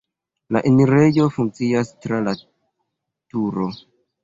La enirejo funkcias tra laturo.